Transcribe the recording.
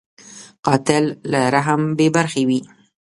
قاتل له رحم بېبرخې وي